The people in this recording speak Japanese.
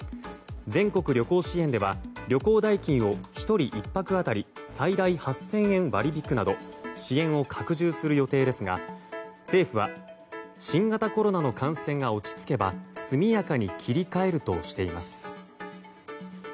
全国旅行支援では、旅行代金を１人１泊当たり最大８０００円割り引くなど支援を拡充する予定ですが政府は新型コロナの感染が落ち着けば速やかに切り替えるとしています。